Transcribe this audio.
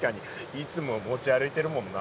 いつも持ち歩いてるもんな。